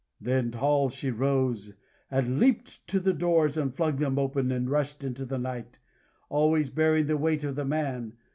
Then tall she rose, and leaped to the doors, and flung them open, and rushed into the night, always bearing the weight of the man.